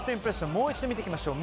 もう一度見ていきましょう。